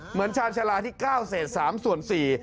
เหมือนชาญชาลาที่เก้าเศษสามส่วนสี่